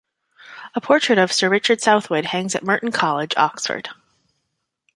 A portrait of Sir Richard Southwood hangs at Merton College, Oxford.